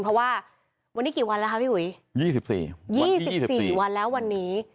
เพราะว่าวันนี้กี่วันแล้วคะพี่อุ๋ยยี่สิบสี่วันที่ยี่สิบสี่วันแล้ววันนี้